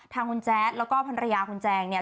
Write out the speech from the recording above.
ทางคุณแจ๊ดแล้วก็ภรรยาคุณแจงเนี่ย